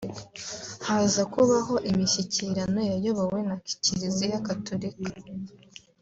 Haza kubaho imishyikirano yayobowe na kiliziya Gatulika